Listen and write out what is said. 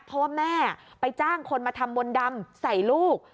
เพราะว่าแม่ไปจ้างคนมาทำมนต์ดำใส่ลูก